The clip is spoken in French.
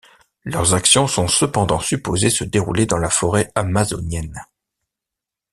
Leurs actions sont cependant supposées se dérouler dans la forêt amazonienne.